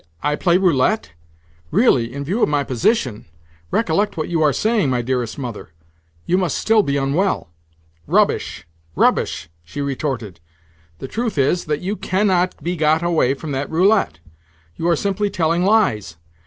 I play roulette? Really, in view of my position—Recollect what you are saying, my dearest mother. You must still be unwell." "Rubbish, rubbish!" she retorted. "The truth is that you cannot be got away from that roulette. You are simply telling lies.